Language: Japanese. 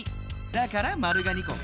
だからマルが２こ。